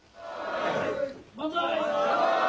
万歳。